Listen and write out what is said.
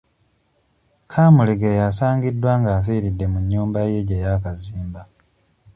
Kaamulegeya asangiddwa nga afiiridde mu nnyumba ye gye yaakazimba.